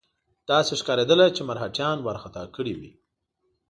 داسې ښکارېدله چې مرهټیان وارخطا کړي وي.